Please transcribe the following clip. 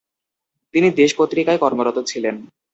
তিনি দেশ পত্রিকায় কর্মরত ছিলেন।